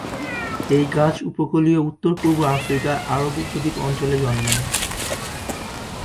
এই গাছ উপকূলীয় উত্তর-পূর্ব আফ্রিকা, আরব উপদ্বীপ অঞ্চলে জন্মায়।